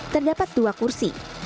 terdapat dua kursi